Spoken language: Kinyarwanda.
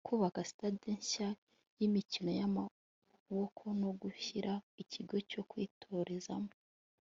kubaka sitade nshya y'imikino y'amaboko no gushyiraho ikigo cyo kwitorezamo